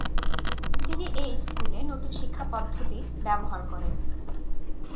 তিনি এই স্কুলে নতুন শিক্ষাপদ্ধতি ব্যবহার করেন।